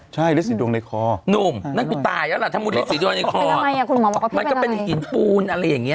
ใช่ฤทธิ์ดวงในคอนุ่มนั่นคือตายแล้วล่ะถ้ามูดฤทธิ์ดวงในคอมันก็เป็นหินปูนอะไรอย่างนี้